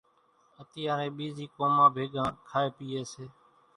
اتيارين ٻيزِي قومان ڀيڳان کائيَ پيئيَ سي۔